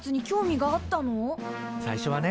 最初はね